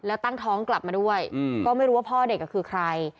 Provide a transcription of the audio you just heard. แล้วตั้งท้องกลับมาด้วยก็ไม่รู้ว่าพ่อเด็กคือใคร